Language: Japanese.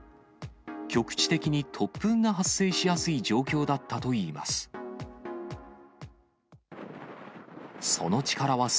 局地的に突風が発生しやすい状況だったといいます。